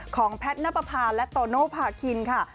ของแพทนับประพาและโตโน่พาคินค่ะ